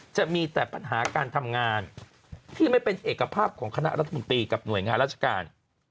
จะมีแต่ปัญหาการทำงานที่ไม่เป็นเอกภาพของคณะรัฐมนตรีกับหน่วยงานราชการ